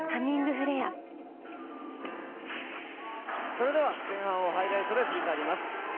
それでは前半をハイライトで振り返ります。